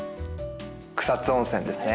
草津温泉ですね。